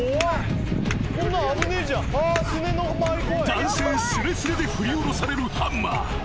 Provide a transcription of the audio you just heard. ［男性すれすれで振り下ろされるハンマー］